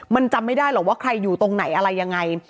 มันจำไม่ได้หรอกว่าใครอยู่ตรงไหนอะไรยังไง